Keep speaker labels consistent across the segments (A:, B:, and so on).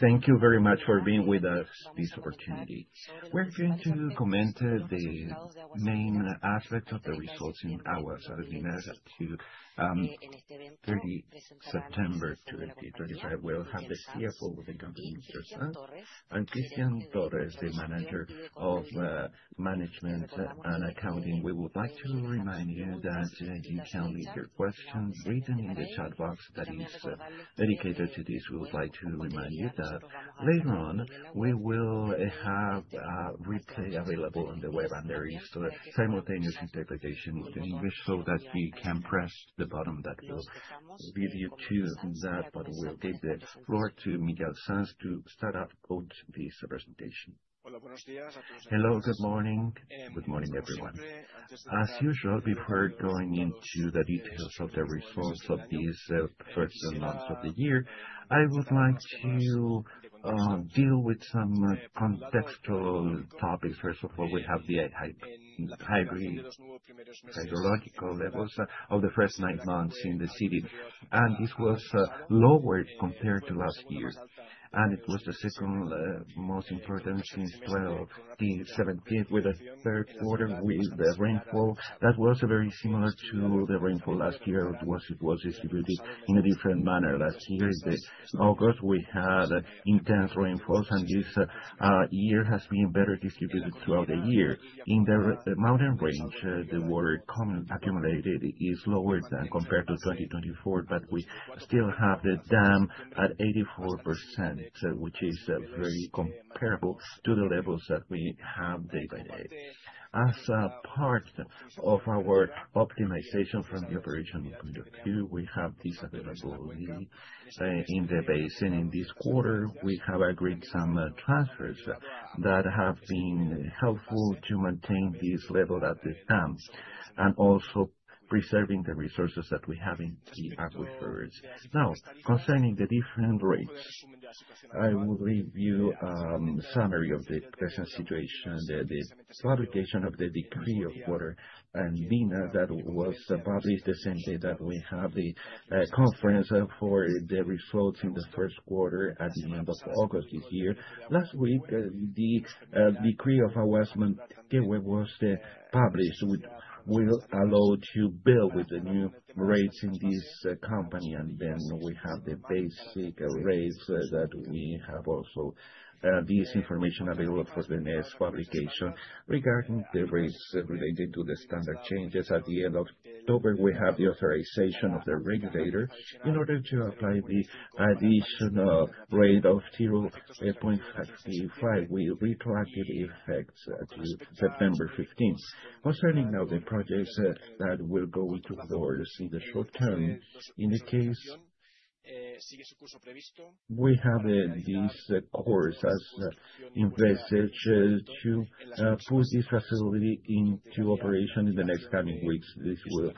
A: Thank you very much for being with us this opportunity. We're going to comment the main aspects of the results in Aguas Andinas to September 2025. We'll have the CFO of the company, Miquel Sans, and Cristián Torres, the Manager of Planning and Management Control. We would like to remind you that you can leave your questions written in the chat box that is dedicated to this. We would like to remind you that later on, we will have a replay available on the web, and there is simultaneous interpretation into English so that you can press the button that will lead you to that. We'll give the floor to Miquel Sans to start off of this presentation. Hello, good morning. Good morning, everyone.
B: As usual, before going into the details of the results of this first months of the year, I would like to deal with some contextual topics. First of all, we have the hybrid hydrological levels of the first nine months in the city. This was lower compared to last year. It was the second most important since 2017, with the Q3 with the rainfall that was very similar to the rainfall last year. It was distributed in a different manner. Last year in August, we had intense rainfalls, and this year has been better distributed throughout the year. In the mountain range, the water accumulated is lower than compared to 2024, but we still have the dam at 84%, which is very comparable to the levels that we have day by day. As a part of our optimization from the operation point of view, we have this availability in the basin. In this quarter, we have a great summer transfers that have been helpful to maintain this level at the dams, and also preserving the resources that we have in the aquifers. Now, concerning the different rates, I will review summary of the present situation. The publication of the decree of Aguas Andinas that was published the same day that we have the conference for the results in the Q1 at the end of August this year. Last week, the decree of Aguas Manquehue was published, which will allow to build with the new rates in this company. We have the basic rates that we have also this information available for the next publication. Regarding the rates related to the standard changes, at the end of October, we have the authorization of the regulator in order to apply the additional rate of 0.65, with retroactive effects to September 15. Concerning the projects that will go forward in the short term. In this case, we have this course as investors to put this facility into operation in the coming weeks. This will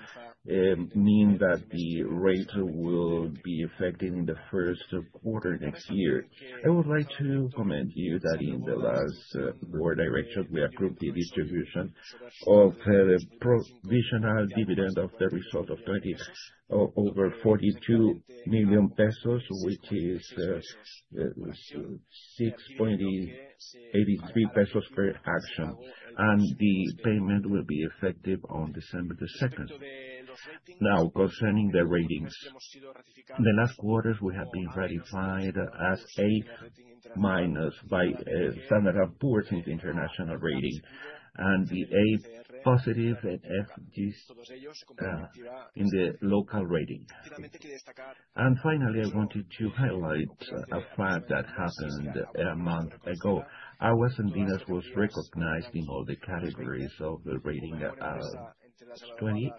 B: mean that the rate will be effective in the Q1 next year. I would like to inform you that in the last Board of directors, we approved the distribution of the provisional dividend of the results of 2024 over CLP 42 million, which is 6.83 pesos per share, and the payment will be effective on December 2. Now, concerning the ratings. the last quarters we have been ratified as A- by Standard & Poor's in the international rating, and A+ in Feller Rate in the local rating. Finally, I wanted to highlight a fact that happened a month ago. Aguas Andinas was recognized in all the categories of the rating ALAS20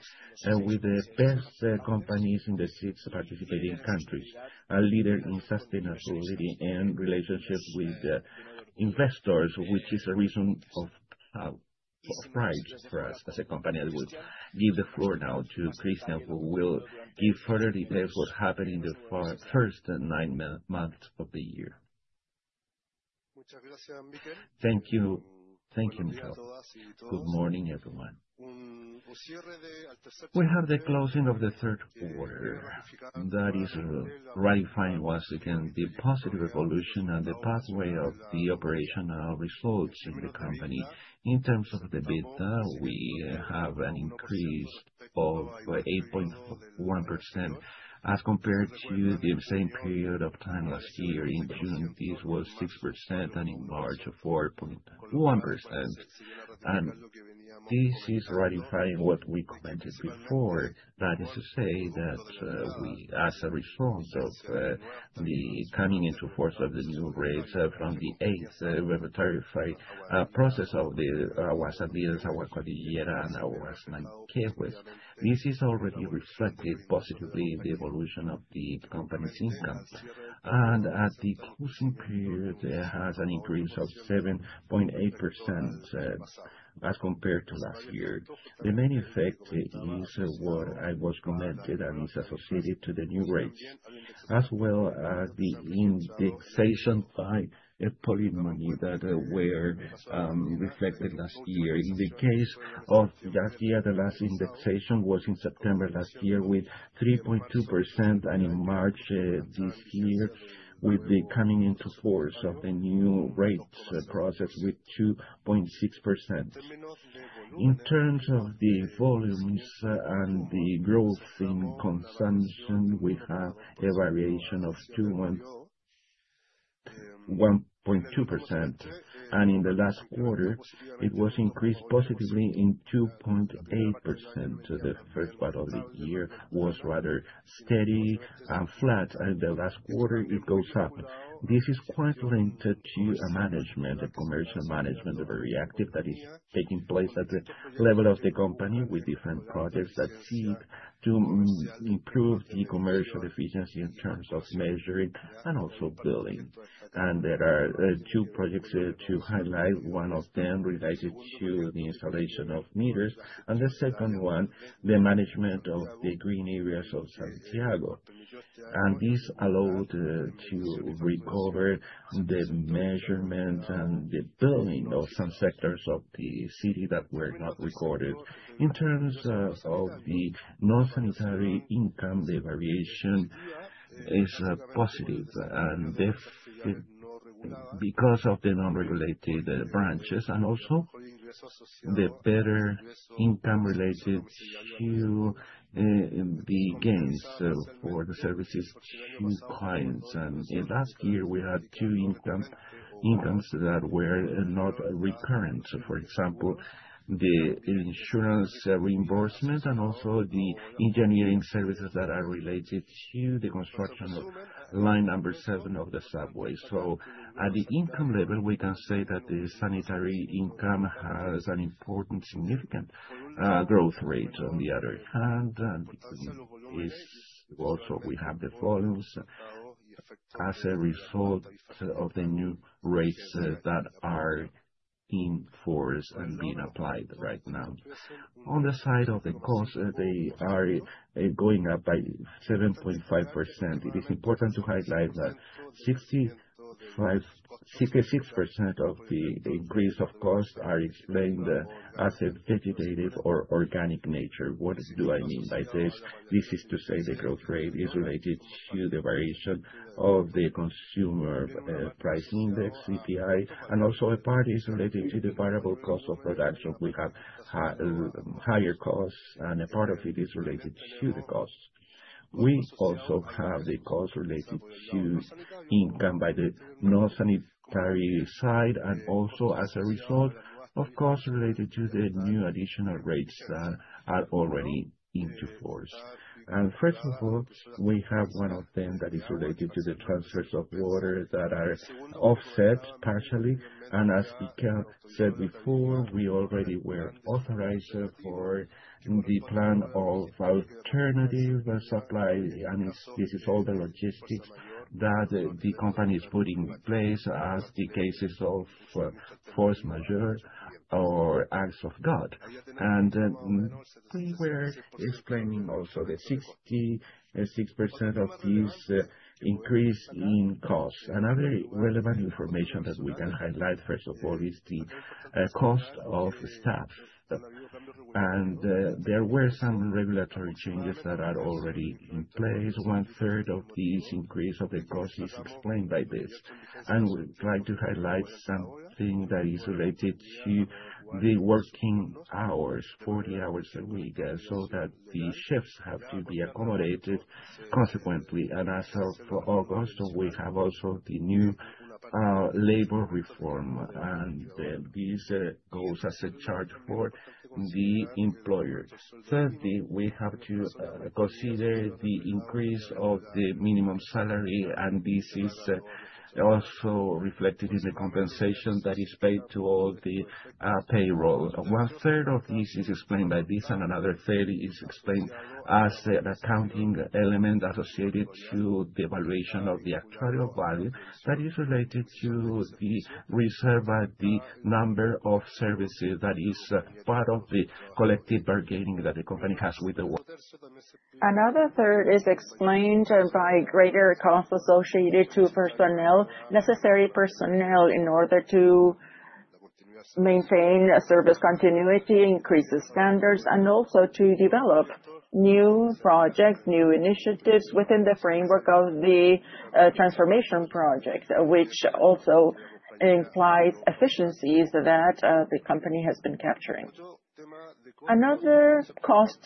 B: with the best companies in the six participating countries, a leader in sustainability and relationships with investors, which is a reason of pride for us as a company.
C: I would give the floor now to Cristian, who will give further details what happened in the first nine months of the year. Thank you. Thank you, Miquel. Good morning, everyone. We have the closing of the third quarter that is ratifying once again the positive evolution and the pathway of the operational results in the company. In terms of the data, we have an increase of 8.1% as compared to the same period of time last year. In June, this was 6%, and in March, 4.1%. This is ratifying what we commented before. That is to say that, we, as a result of, the coming into force of the new rates from the eighth tariff process of Aguas Andinas, Aguas Cordillera, and Aguas Manquehue. This is already reflected positively in the evolution of the company's income. At the closing period, it has an increase of 7.8% as compared to last year. The main effect is what I commented, and it's associated to the new rates, as well as the indexation by IPC polinomio that were reflected last year. In the case of that year, the last indexation was in September last year with 3.2%, and in March this year with the coming into force of the new rates process with 2.6%. In terms of the volumes and the growth in consumption, we have a variation of 2.1%. In the last quarter, it was increased positively in 2.8%. The first part of the year was rather steady and flat, and the last quarter, it goes up. This is quite linked to a management, a commercial management, a very active that is taking place at the level of the company with different projects that seek to improve the commercial efficiency in terms of measuring and also billing. There are two projects to highlight. One of them related to the installation of meters, and the second one, the management of the green areas of Santiago. This allowed to recover the measurement and the billing of some sectors of the city that were not recorded. In terms of the non-sanitary income, the variation is positive, and due to the non-regulated branches and also the better income related to the gains for the services to clients. In last year, we had two incomes that were not recurrent. For example, the insurance reimbursement and also the engineering services that are related to the construction of Santiago Metro Line 7. At the income level, we can say that the sanitary income has an important, significant, growth rate on the other hand, and this also we have the volumes as a result of the new rates that are in force and being applied right now. On the side of the costs, they are going up by 7.5%. It is important to highlight that 66% of the increase of costs are explained as a vegetative or organic nature. What do I mean by this? This is to say the growth rate is related to the variation of the consumer price index, CPI, and also a part is related to the variable cost of production. We have higher costs, and a part of it is related to the costs. We also have the costs related to income by the non-sanitary side and also as a result of costs related to the new additional rates that are already in force. First of all, we have one of them that is related to the transfers of water that are offset partially. As Miquel said before, we already were authorized for the plan of alternative supply. This is all the logistics that the company is putting in place as the cases of force majeure or acts of God. We were explaining also the 66% of this increase in costs. Another relevant information that we can highlight, first of all, is the cost of staff. There were some regulatory changes that are already in place. One-third of this increase of the cost is explained by this. We try to highlight something that is related to the working hours, 40 hours a week, so that the shifts have to be accommodated consequently. As of August, we have also the new labor reform. This goes as a charge for the employers. Thirdly, we have to consider the increase of the minimum salary, and this is also reflected in the compensation that is paid to all the payroll. One-third of this is explained by this, and another third is explained as an accounting element associated to the evaluation of the actuarial value that is related to the reserve at the number of services that is part of the collective bargaining that the company has with the workers. Another third is explained by greater costs associated to personnel, necessary personnel in order to maintain a service continuity, increases standards, and also to develop new projects, new initiatives within the framework of the transformation project, which also implies efficiencies that the company has been capturing. Another cost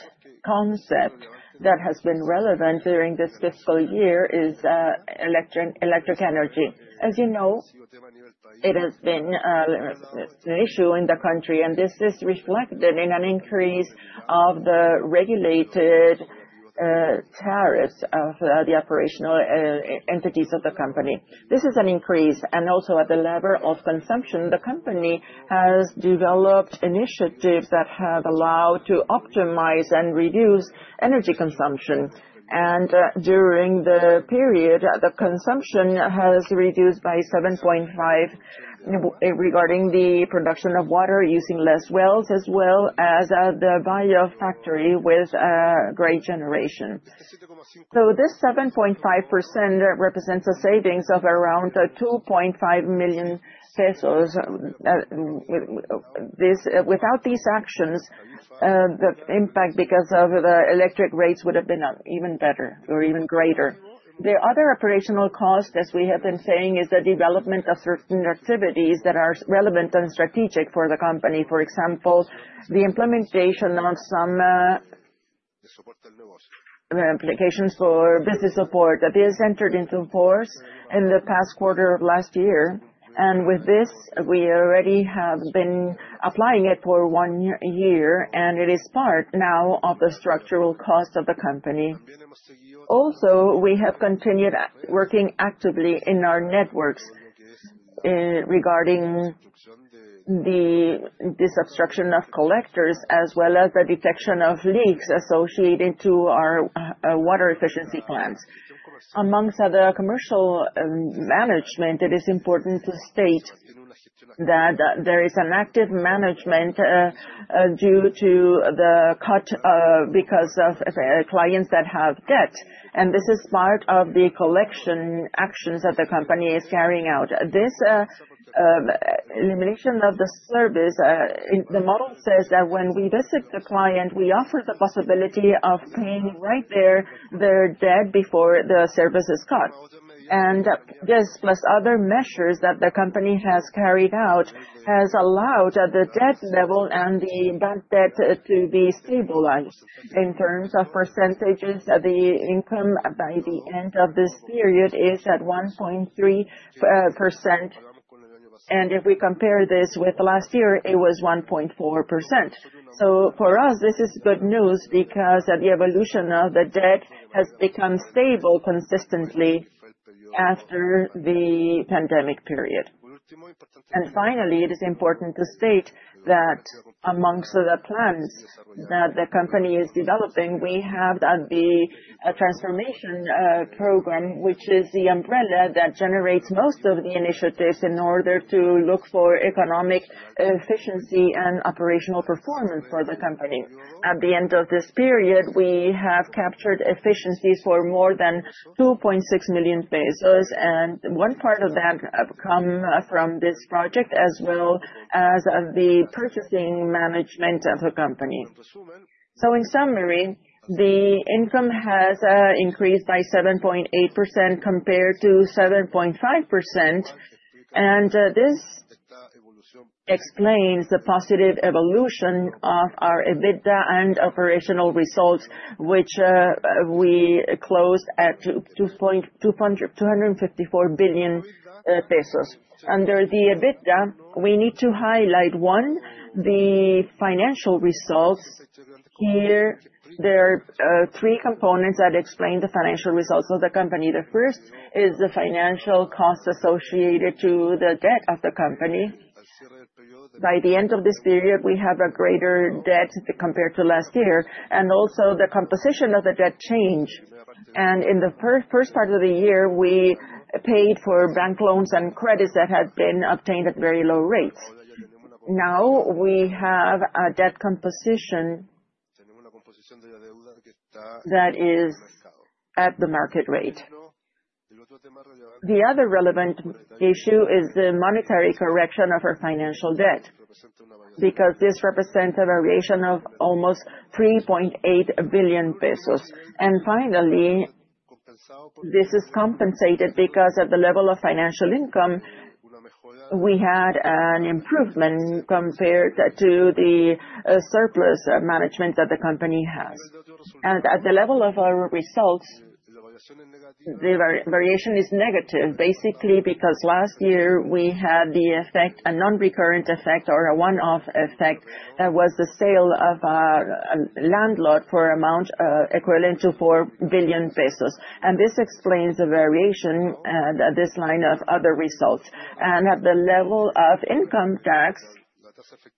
C: concept that has been relevant during this fiscal year is electric energy. As you know, it has been an issue in the country, and this is reflected in an increase of the regulated tariffs of the operational entities of the company. This is an increase, and also at the level of consumption, the company has developed initiatives that have allowed to optimize and reduce energy consumption. During the period, the consumption has reduced by 7.5% regarding the production of water using less wells, as well as the Valle factory with great generation. This 7.5% represents a savings of around 2.5 million pesos. Without these actions, the impact because of the electric rates would have been even better or even greater. The other operational cost, as we have been saying, is the development of certain activities that are relevant and strategic for the company. For example, the implementation of some new applications for business support that entered into force in the past quarter of last year. With this, we already have been applying it for one year, and it is part now of the structural cost of the company. Also, we have continued working actively in our networks, regarding the disobstruction of collectors, as well as the detection of leaks associated to our water efficiency plans. Among other commercial management, it is important to state that there is an active management due to the cut because of clients that have debt. This is part of the collection actions that the company is carrying out. This elimination of the service, the model says that when we visit the client, we offer the possibility of paying right there their debt before the service is cut. This, plus other measures that the company has carried out, has allowed the debt level and the bad debt to be stabilized. In terms of percentages of the income by the end of this period is at 1.3%. If we compare this with last year, it was 1.4%. For us, this is good news because the evolution of the debt has become stable consistently after the pandemic period. Finally, it is important to state that amongst the plans that the company is developing, we have the transformation program, which is the umbrella that generates most of the initiatives in order to look for economic efficiency and operational performance for the company. At the end of this period, we have captured efficiencies for more than 2.6 million pesos, and one part of that come from this project, as well as the purchasing management of the company. In summary, the income has increased by 7.8% compared to 7.5%. This explains the positive evolution of our EBITDA and operational results, which we closed at 254 billion pesos. Under the EBITDA, we need to highlight, one, the financial results. Here, there are three components that explain the financial results of the company. The first is the financial cost associated to the debt of the company. By the end of this period, we have a greater debt compared to last year, and also the composition of the debt change. In the first part of the year, we paid for bank loans and credits that had been obtained at very low rates. Now we have a debt composition that is at the market rate. The other relevant issue is the monetary correction of our financial debt, because this represents a variation of almost 3.8 billion pesos. Finally, this is compensated because at the level of financial income, we had an improvement compared to the surplus management that the company has. At the level of our results, the variation is negative, basically because last year we had the effect, a non-recurrent effect or a one-off effect, that was the sale of our La Farfana for amount equivalent to 4 billion pesos. This explains the variation this line of other results. At the level of income tax,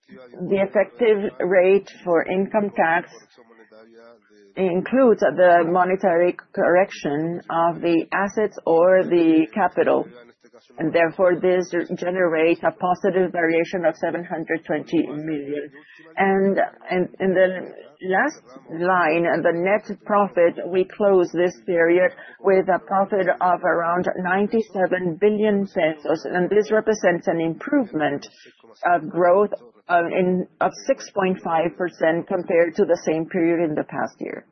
C: the effective rate for income tax includes the monetary correction of the assets or the capital, and therefore this generates a positive variation of 720 million. The last line, the net profit, we close this period with a profit of around 97 billion pesos, and this represents an improvement of growth of 6.5% compared to the same period in the past year.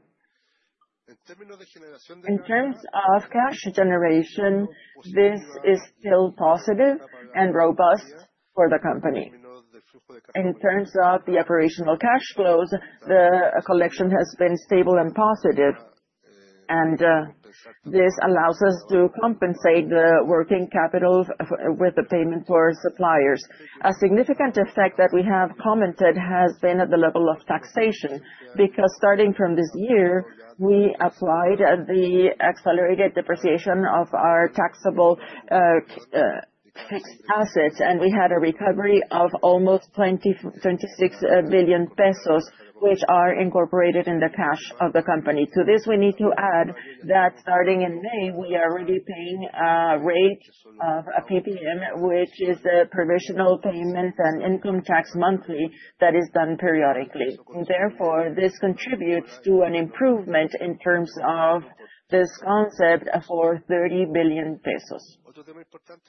C: In terms of cash generation, this is still positive and robust for the company. In terms of the operational cash flows, the collection has been stable and positive, and this allows us to compensate the working capital with the payment to our suppliers. A significant effect that we have commented has been at the level of taxation, because starting from this year, we applied the accelerated depreciation of our taxable fixed assets, and we had a recovery of almost 26 billion pesos, which are incorporated in the cash of the company. To this, we need to add that starting in May, we are already paying a rate of a PPM, which is a Provisional Payment and Income Tax Monthly that is done periodically. Therefore, this contributes to an improvement in terms of this concept for 30 billion pesos.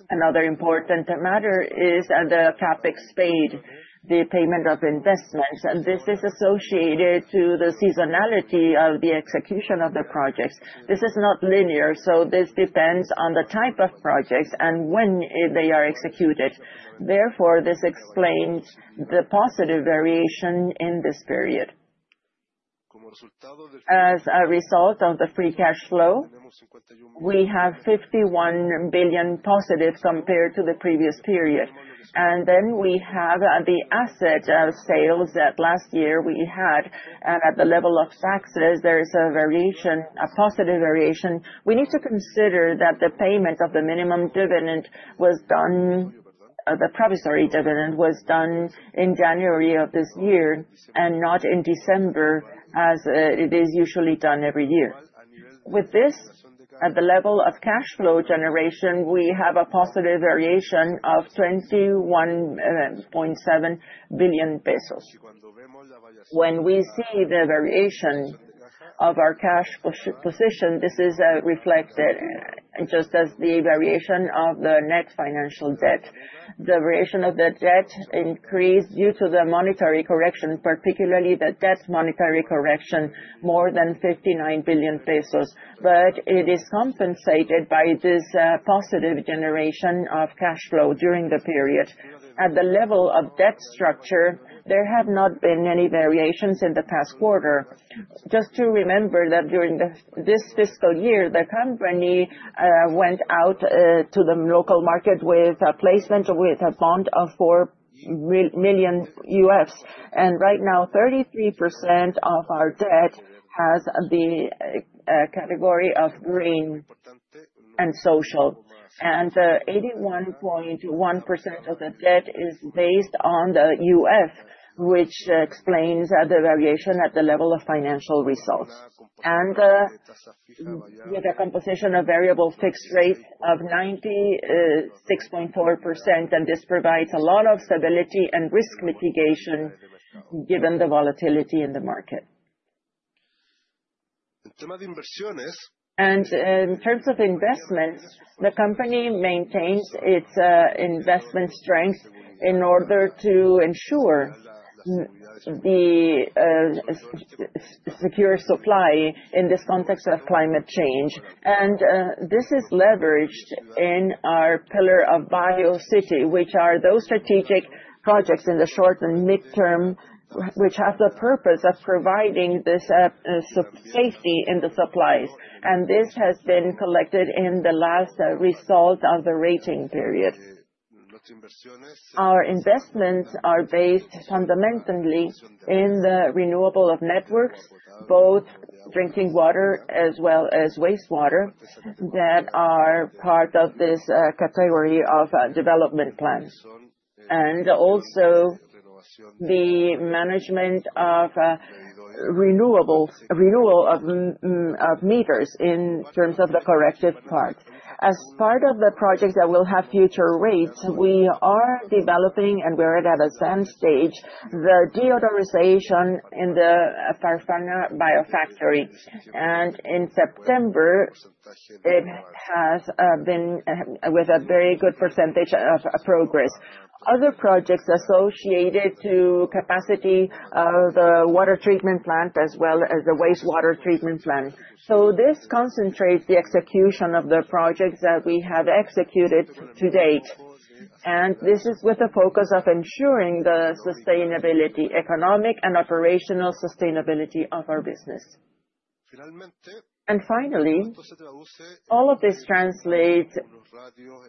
C: Another important matter is the CapEx paid, the payment of investments, and this is associated to the seasonality of the execution of the projects. This is not linear, so this depends on the type of projects and when they are executed. Therefore, this explains the positive variation in this period. As a result of the free cash flow, we have 51 billion positive compared to the previous period. Then we have the asset sales that last year we had. At the level of taxes, there is a variation, a positive variation. We need to consider that the payment of the minimum dividend was done, the provisional dividend was done in January of this year, and not in December as it is usually done every year. With this, at the level of cash flow generation, we have a positive variation of 21.7 billion pesos. When we see the variation of our cash position, this is reflected just as the variation of the net financial debt. The variation of the debt increased due to the monetary correction, particularly the debt monetary correction, more than 59 billion pesos. It is compensated by this positive generation of cash flow during the period. At the level of debt structure, there have not been any variations in the past quarter. Just to remember that during this fiscal year, the company went out to the local market with a placement with a bond of $4 million. Right now 33% of our debt has the category of green and social. 81.1% of the debt is based on the USD, which explains the variation at the level of financial results. With the composition of variable fixed rate of 96.4%, this provides a lot of stability and risk mitigation given the volatility in the market. In terms of investments, the company maintains its investment strength in order to ensure the secure supply in this context of climate change. This is leveraged in our pillar of Biofactoría, which are those strategic projects in the short and midterm, which have the purpose of providing this safety in the supplies. This has been reflected in the last result of the rating period. Our investments are based fundamentally in the renewal of networks, both drinking water as well as wastewater, that are part of this category of development plans. Also the management of renewal of meters in terms of the residential part. As part of the projects that will have future rates, we are developing, and we're at an advanced stage, the deodorization in the La Farfana biofactory. In September, it has been with a very good percentage of progress. Other projects associated to capacity of the water treatment plant, as well as the wastewater treatment plant. This concentrates the execution of the projects that we have executed to date. This is with the focus of ensuring the sustainability, economic and operational sustainability of our business. Finally, all of this translate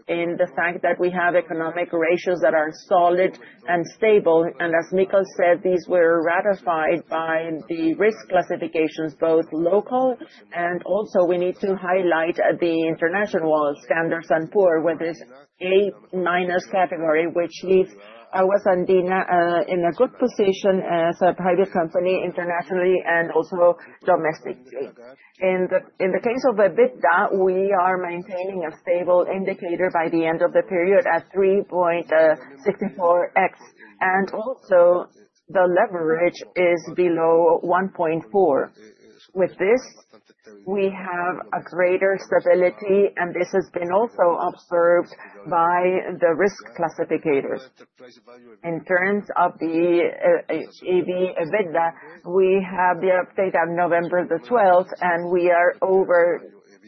C: in the fact that we have economic ratios that are solid and stable. As Miquel said, these were ratified by the risk classifications, both local and also we need to highlight the international Standard & Poor's, with this A- category, which leaves Aguas Andinas in a good position as a private company internationally and also domestically. In the case of the EBITDA, we are maintaining a stable indicator by the end of the period at 3.64x. Also the leverage is below 1.4x. With this, we have a greater stability, and this has been also observed by the risk classificators. In terms of the EBITDA, we have the update on November the twelfth, and we are over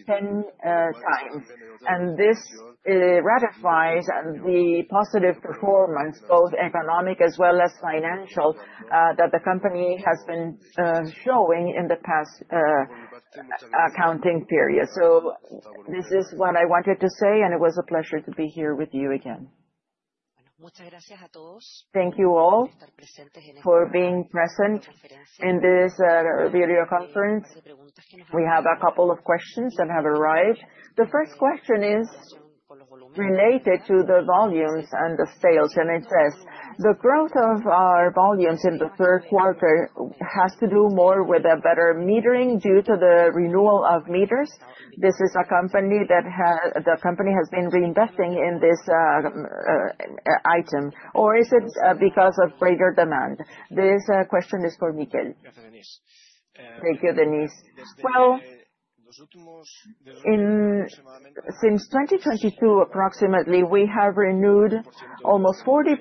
C: 10.0x. This ratifies the positive performance, both economic as well as financial, that the company has been showing in the past accounting period. This is what I wanted to say, and it was a pleasure to be here with you again. Thank you all for being present in this video conference. We have a couple of questions that have arrived. The first question is related to the volumes and the sales, and it says: The growth of our volumes in the Q3 has to do more with a better metering due to the renewal of meters. The company has been reinvesting in this item. Or is it because of greater demand? This question is for Miquel.
B: Thank you, Denise. Well, since 2022, approximately, we have renewed almost 40%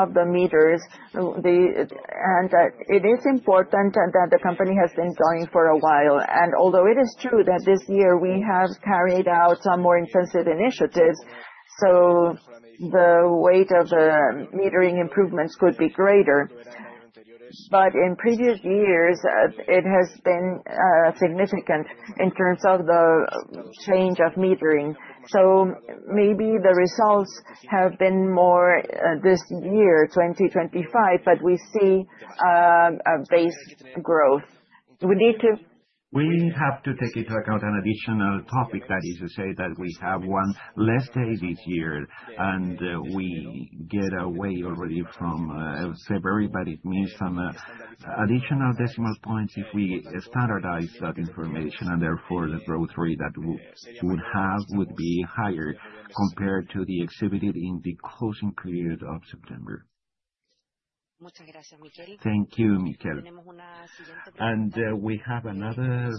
B: of the meters. It is important that the company has been going for a while. Although it is true that this year we have carried out some more intensive initiatives, so the weight of the metering improvements could be greater. In previous years, it has been significant in terms of the change of metering. Maybe the results have been more this year, 2025, but we see a base growth. We have to take into account an additional topic, that is to say that we have one less day this year, and we get away already from February, but it means some additional decimal points if we standardize that information. Therefore, the growth rate that we'd have would be higher compared to the exhibited in the closing period of September.
C: Thank you, Miquel. We have another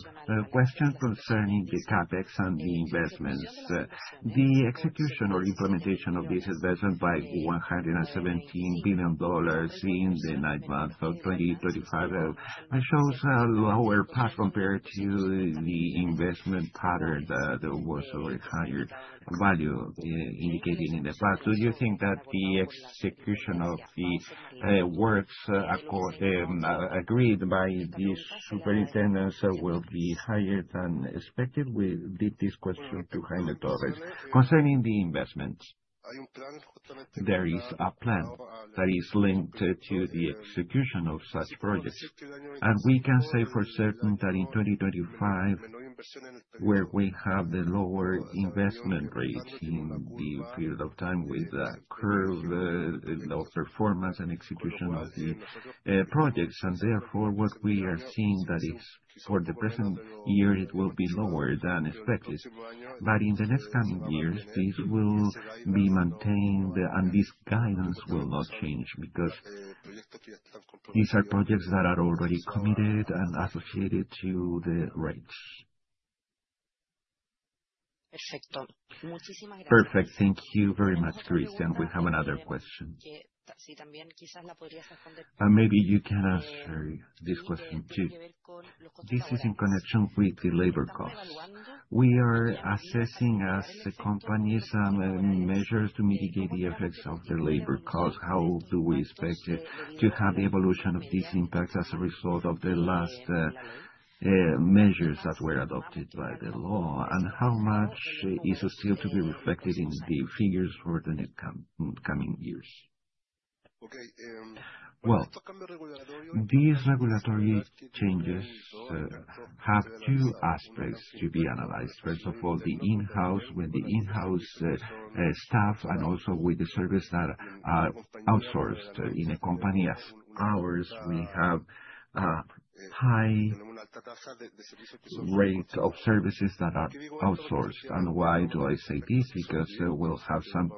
C: question concerning the CapEx and the investments. The execution or implementation of this investment by CLP 117 billion in 9M 2025 shows a lower path compared to the investment pattern that there was a higher value indicated in the past. Do you think that the execution of the works agreed by the Superintendency will be higher than expected? We did this question to Jaime Torres. Concerning the investments, there is a plan that is linked to the execution of such projects. We can say for certain that in 2025, where we have the lower investment rate in the period of time with a curve low performance and execution of the projects. Therefore, what we are seeing that is for the present year, it will be lower than expected. In the next coming years, this will be maintained, and this guidance will not change because these are projects that are already committed and associated to the rates. Perfect.
A: Thank you very much, Cristian. We have another question. Maybe you can answer this question, too. This is in connection with the labor costs. We are assessing as a company some measures to mitigate the effects of the labor cost. How do we expect it to have evolution of these impacts as a result of the last measures that were adopted by the law? How much is still to be reflected in the figures for the next coming years? Well, these regulatory changes have two aspects to be analyzed. First of all, the in-house staff and also with the service that are outsourced. In a company as ours, we have a high rate of services that are outsourced. Why do I say this? Because we'll have some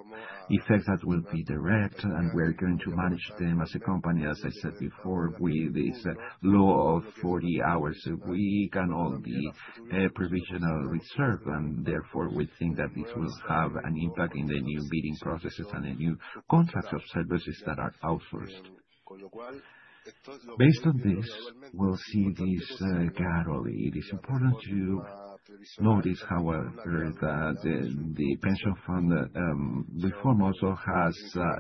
A: effects that will be direct, and we are going to manage them as a company. As I said before, with this law of 40 hours a week and all the provisional reserve, and therefore we think that this will have an impact in the new bidding processes and the new contracts of services that are outsourced. Based on this, we'll see this gradually. It is important to notice, however, that the pension fund reform also has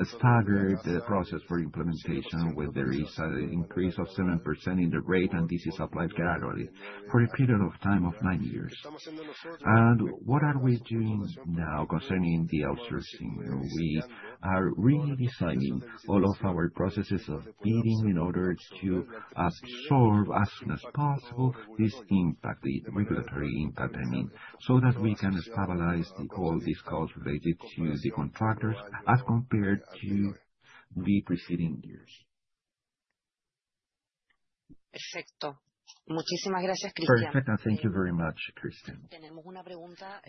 A: staggered the process for implementation, where there is an increase of 7% in the rate, and this is applied gradually for a period of time of nine years. What are we doing now concerning the outsourcing? We are redesigning all of our processes of bidding in order to absorb as soon as possible this impact, the regulatory impact, I mean, so that we can stabilize all these costs related to the contractors as compared to the preceding years. Perfect. Thank you very much, Cristian.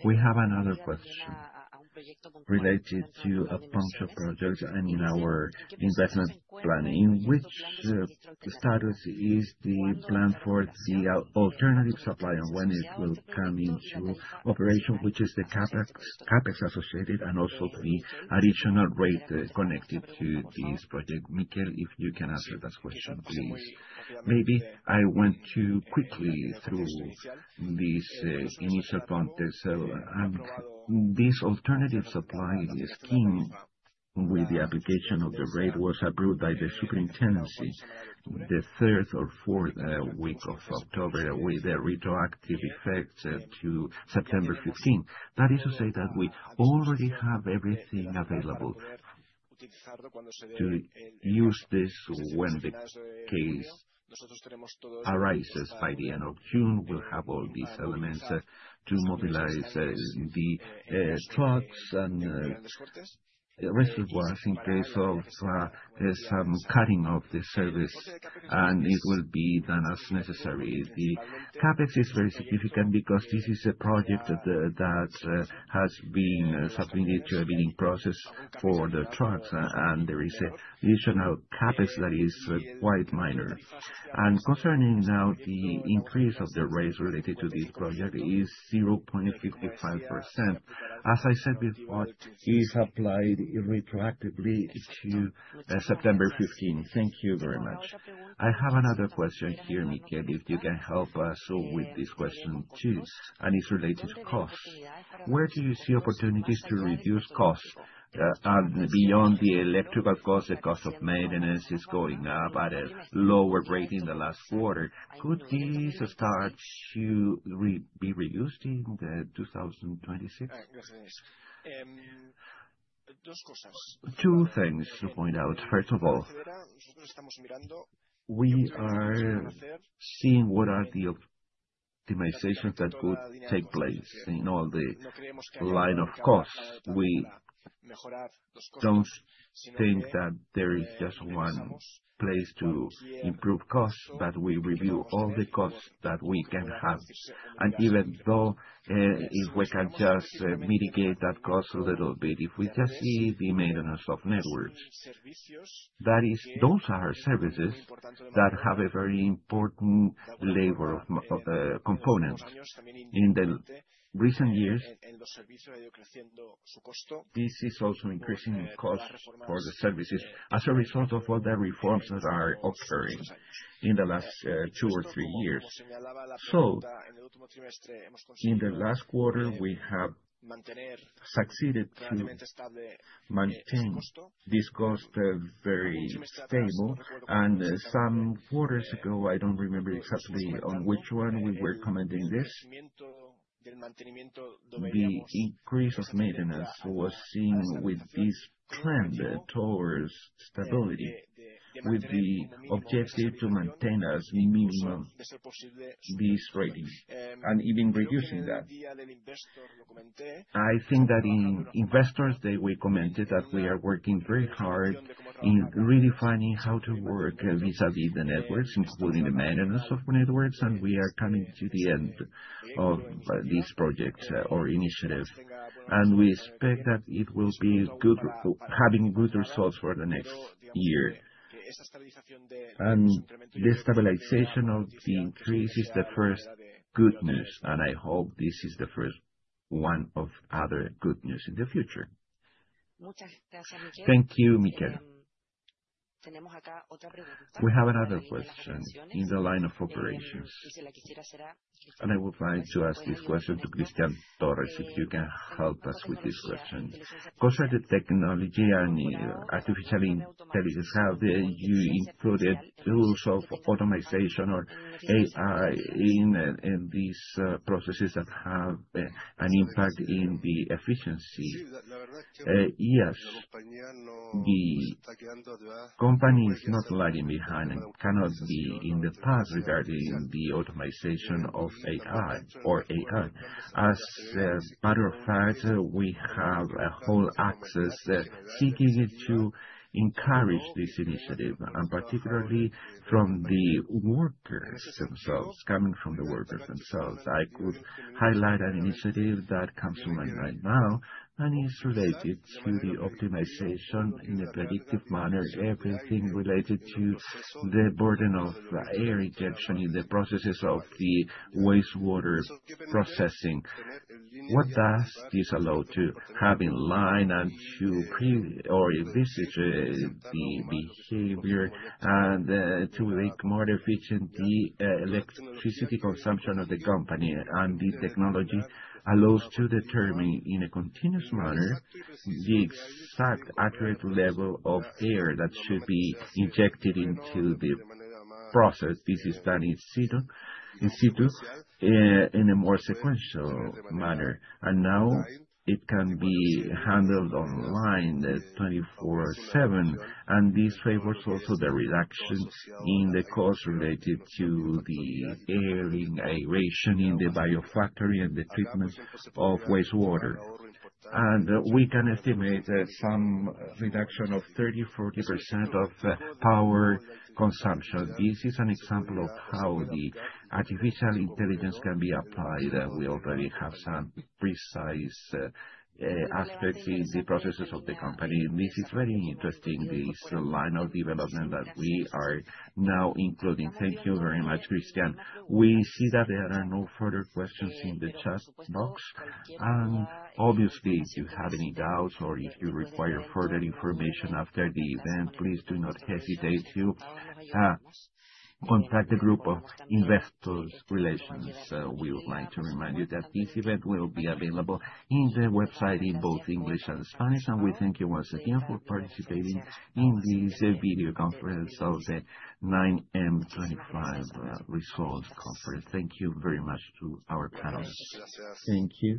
A: We have another question related to a bunch of projects and in our investment planning. In which status is the plan for the alternative supply and when it will come into operation, which is the CapEx associated and also the additional rate connected to this project? Miquel, if you can answer that question, please. Maybe I went too quickly through this initial point. This alternative supply scheme with the application of the rate was approved by the superintendency the third or fourth week of October, with a retroactive effect to September 15.
B: That is to say that we already have everything available to use this when the case arises. By the end of June, we'll have all these elements to mobilize the trucks and reservoirs in case of some cutting of the service, and it will be done as necessary. The CapEx is very significant because this is a project that has been submitted to a bidding process for the trucks, and there is additional CapEx that is quite minor. Concerning now the increase of the rates related to this project is 0.55%. As I said before, it is applied retroactively to September 15. Thank you very much. I have another question here, Miquel, if you can help us with this question, too, and it's related to costs. Where do you see opportunities to reduce costs?
A: Beyond the electrical cost, the cost of maintenance is going up at a lower rate in the last quarter. Could this start to be reused in 2026? Two things to point out. First of all, we are seeing what are the optimizations that could take place in all the line of costs. We don't think that there is just one place to improve costs, but we review all the costs that we can have. Even though, if we can just mitigate that cost a little bit, if we just see the maintenance of networks, that is, those are services that have a very important labor of components. In the recent years, this is also increasing in cost for the services as a result of all the reforms that are occurring in the last two or three years.
B: In the last quarter, we have succeeded to maintain this cost very stable. Some quarters ago, I don't remember exactly on which one we were commenting this, the increase of maintenance was seen with this trend towards stability, with the objective to maintain as minimum this rating, and even reducing that. I think that in Investor Day, we commented that we are working very hard in really finding how to work vis-à-vis the networks, including the maintenance of networks, and we are coming to the end of this project or initiative, and we expect that it will be good, having good results for the next year. The stabilization of the increase is the first good news, and I hope this is the first one of other good news in the future. Thank you, Miquel.
A: We have another question in the line of operations, and I would like to ask this question to Cristián Torres, if you can help us with this question. Concerning technology and artificial intelligence, have you included tools of automation or AI in these processes that have an impact in the efficiency? Yes. The company is not lagging behind and cannot be in the past regarding automation or AI. As a matter of fact, we have a whole axis seeking to encourage this initiative, and particularly from the workers themselves, coming from the workers themselves. I could highlight an initiative that comes to mind right now and is related to the optimization in a predictive manner, everything related to the burden of air injection in the processes of the wastewater processing. What does this allow?
C: To have in line and or this is the behavior to make more efficient the electricity consumption of the company. The technology allows to determine in a continuous manner the exact accurate level of air that should be injected into the process. This is done in situ in a more sequential manner. Now it can be handled online 24/7, and this favors also the reductions in the costs related to aeration in the Biofactoría and the treatment of wastewater. We can estimate some reduction of 30%-40% of power consumption. This is an example of how the artificial intelligence can be applied, and we already have some precise aspects in the processes of the company. This is very interesting, this line of development that we are now including.
A: Thank you very much, Christian. We see that there are no further questions in the chat box. Obviously, if you have any doubts or if you require further information after the event, please do not hesitate to contact the group of investors relations. We would like to remind you that this event will be available in the website in both English and Spanish. We thank you once again for participating in this video conference of the 9M 2025 Results Conference. Thank you very much to our panelists. Thank you.